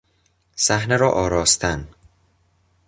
صحنه را آراستن